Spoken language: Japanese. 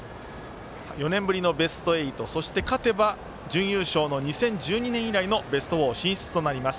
４年ぶりのベスト８勝てば準優勝の２０１２年以来のベスト４進出となります。